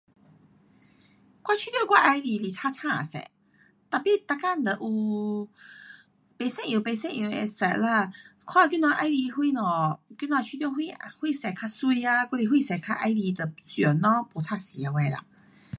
我觉得我喜欢是青青色，tapi 每天都有不一样不一样的色啦，看今天喜欢什么，今天觉得什色较美呀，还是什色较喜欢就穿咯，没插晓的啦。